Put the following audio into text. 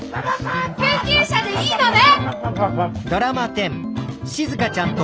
救急車でいいのね！？